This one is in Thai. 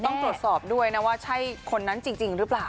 ต้องตรวจสอบด้วยนะว่าใช่คนนั้นจริงหรือเปล่า